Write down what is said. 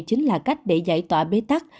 chính là cách để giải tỏa bế tắc